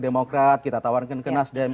demokrat kita tawarkan ke nasdem